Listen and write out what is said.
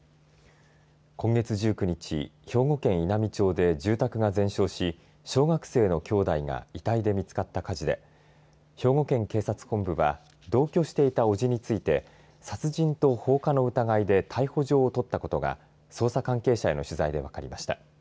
今月１９日兵庫県稲美町で住宅が全焼し小学生の兄弟が遺体で見つかった火事で兵庫県警察本部は同居していた伯父について殺人と放火の疑いで逮捕状を取ったことが捜査関係者への取材で分かりました。